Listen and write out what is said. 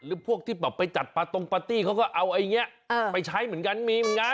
พวกที่แบบไปจัดปาตรงปาร์ตี้เขาก็เอาอย่างนี้ไปใช้เหมือนกันมีเหมือนกัน